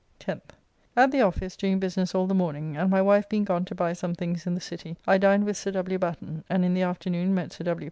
10th. At the office doing business all the morning, and my wife being gone to buy some things in the city I dined with Sir W. Batten, and in the afternoon met Sir W.